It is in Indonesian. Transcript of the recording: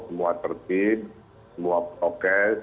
semua tertib semua prokes